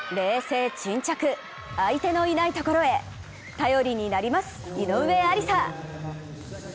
冷静沈着、相手のいないところへ頼りになります、井上愛里沙。